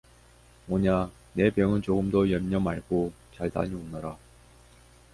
오냐, 내 병은 조금도 염려 말고 잘 다녀 오너라.